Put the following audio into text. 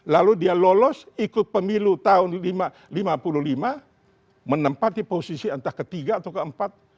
lalu dia lolos ikut pemilu tahun seribu sembilan ratus lima puluh lima menempati posisi entah ketiga atau keempat